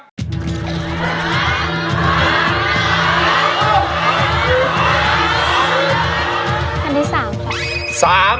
แผ่นที่๓ครับ